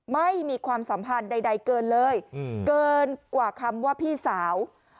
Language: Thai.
ไม่มีความสัมพันธ์ใดเกินเลยเกินกว่าคำว่าพี่สาว